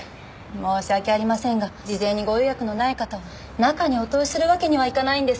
申し訳ありませんが事前にご予約のない方を中にお通しするわけにはいかないんです。